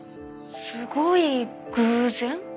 すごい偶然？